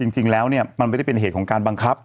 จริงแล้วเนี่ยมันไม่ได้เป็นเหตุของการบังคับ